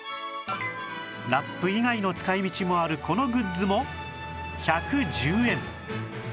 ラップ以外の使い道もあるこのグッズも１１０円！